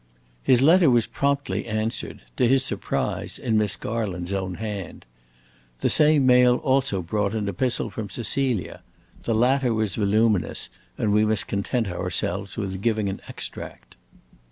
His letter was promptly answered to his surprise in Miss Garland's own hand. The same mail brought also an epistle from Cecilia. The latter was voluminous, and we must content ourselves with giving an extract.